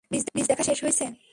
Beech দেখা শেষ হইছে?